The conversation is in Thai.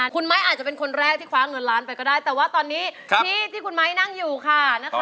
คุณไม้อาจจะเป็นคนแรกที่คว้าเงินล้านไปก็ได้แต่ว่าตอนนี้ที่คุณไม้นั่งอยู่ค่ะนะคะ